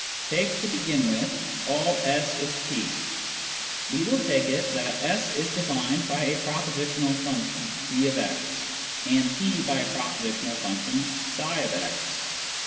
Take, to begin with, " all S is P." We will take it that S is defined by a propositional function <f>x; and P by a propositional function i/ix.